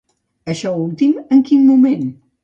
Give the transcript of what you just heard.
Això últim, en quin moment?